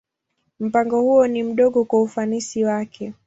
Mpango huo ni mdogo kwa ufanisi wake.